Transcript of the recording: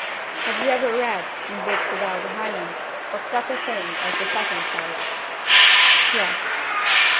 "Have you ever read, in books about the Highlands, of such a thing as 'The Second Sight'?" "Yes."